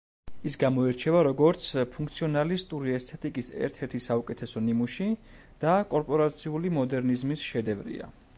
ის გამოირჩევა როგორც ფუნქციონალისტური ესთეტიკის ერთ-ერთი საუკეთესო ნიმუში და კორპორაციული მოდერნიზმის შედევრია.